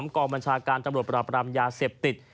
กองบัญชาการตำรวจปราบรามยาเสพติด